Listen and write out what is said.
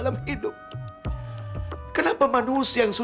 berhubungan dengan stirred